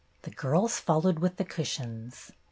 The girls followed with the cushions.